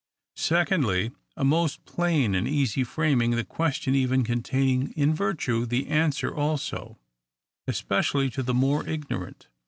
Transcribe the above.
Secondly, a most plain and easy framing the question even contain ing in virtue the answer also, especially to the more ignorant.